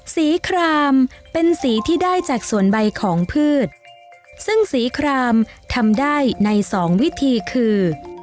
ครามเป็นสีที่ได้จากส่วนใบของพืชซึ่งสีครามทำได้ในสองวิธีคือ